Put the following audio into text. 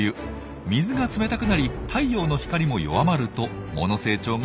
水が冷たくなり太陽の光も弱まると藻の成長が止まっちゃいますよね。